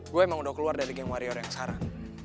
gue emang udah keluar dari geng wario yang saran